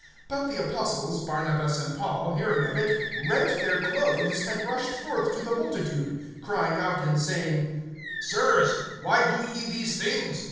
(14)But the apostles, Barnabas and Paul, hearing of it, rent their clothes, and rushed forth to the multitude; crying out, (15)and saying: Sirs, why do ye these things?